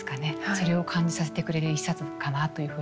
それを感じさせてくれる一冊かなというふうに思ったんですが。